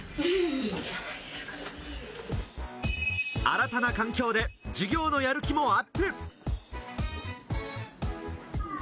新たな環境で授業のやる気もアップ。